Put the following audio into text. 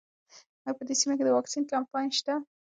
ایا په دې سیمه کې د واکسین کمپاین شته؟